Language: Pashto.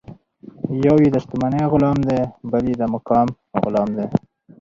یو یې د شتمنۍ غلام دی، بل بیا د مقام غلام دی.